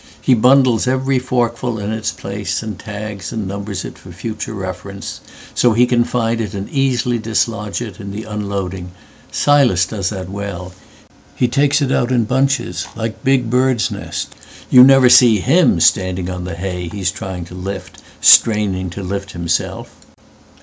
He bundles every forkful in its place, And tags and numbers it for future reference, So he can find and easily dislodge itIn the unloading. Silas does that well. He takes it out in bunches like big birds' nests. You never see him standing on the hayHe's trying to lift, straining to lift himself."